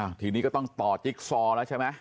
ถึงที่นี้ก็ต้องยิ่งจิกซอซ์แล้วใช่ไหม